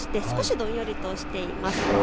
少しどんよりとしています。